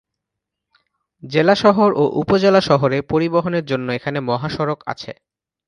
জেলা শহর ও উপজেলা শহরে পরিবহনের জন্য এখানে মহাসড়ক আছে।